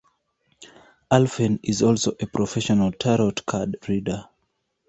Alphen is also a professional Tarot card reader.